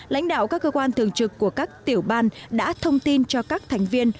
lãnh đạo các cơ quan thường trực của các tiểu ban đã thông tin cho các thành viên